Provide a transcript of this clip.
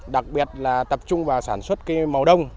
đặc biệt là tập trung vào sản xuất cây màu đông